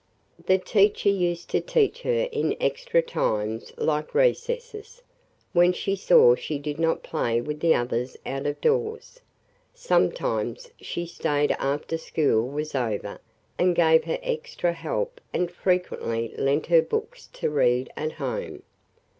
The teacher used to teach her in extra times like recesses, when she saw she did not play with the others out of doors. Sometimes she stayed after school was over and gave her extra help and frequently lent her books to read at home.